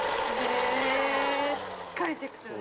へぇしっかりチェックするんだ。